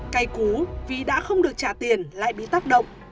cây cú vì đã không được trả tiền lại bị tác động